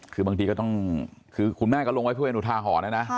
คือบางทีก็ต้องคุณแม่ก็ลงไว้พยันตุทางห่อนเนี่ยนะ